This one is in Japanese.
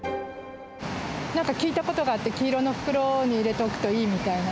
なんか聞いたことがあって、黄色の袋に入れておくといいみたいな。